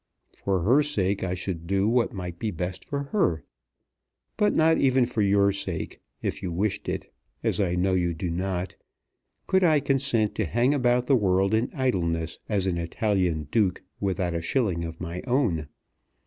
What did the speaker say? For her sake I should do what might be best for her. But not even for your sake, if you wished it, as I know you do not, could I consent to hang about the world in idleness as an Italian duke without a shilling of my own.